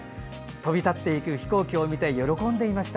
飛び立っていく飛行機を見て喜んでいました。